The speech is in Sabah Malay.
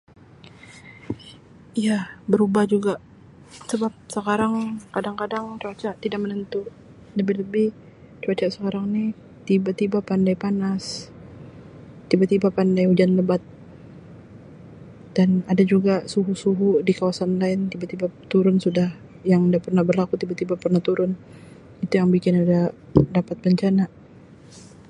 Iya berubah juga, sebab sekarang kadang-kadang cuaca tidak menentu dan lebih-lebih cuaca sekarang ni tiba-tiba pandai panas, tiba-tiba pandai hujan lebat dan ada juga suhu-suhu di kawasan lain tiba-tiba turun sudah yang inda pernah berlaku tiba-tiba pandai turun, itu yang bikin dia dapat bencana.